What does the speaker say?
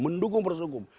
mendukung proses hukum